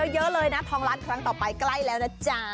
เยอะเลยนะทองล้านครั้งต่อไปใกล้แล้วนะจ๊ะ